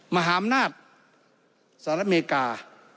มหาอำนาจสหรัฐอเมริกา